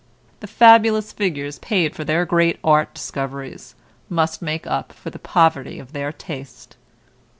The fabulous figures paid for their great art discoveries must make up for the poverty of their taste.